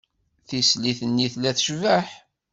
Tislit-nni tella tecbeḥ.